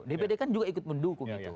dpd kan juga ikut mendukung itu